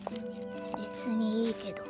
別にいいけど。